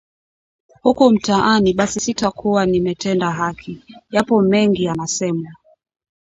huku mtaani basi sitakuwa nimetenda haki, Yapo mengi yanasemwa